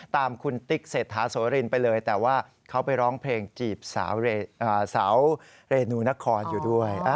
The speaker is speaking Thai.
ตามคุณติ๊กเศรษฐาโสรินไปเลยแต่ว่าเขาไปร้องเพลงจีบสาวเรนูนครอยู่ด้วย